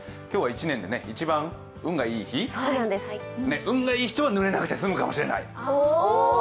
今日は１年で一番運がいい日、運がいい人はぬれなくて済むかもしれない。